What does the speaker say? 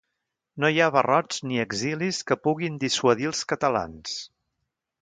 No hi ha barrots ni exilis que puguin dissuadir els catalans.